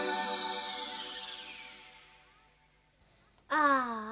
ああ！